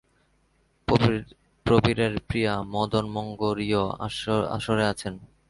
প্রবীরের প্রিয়া মদনমঙ্গরীও আসরে আছেন।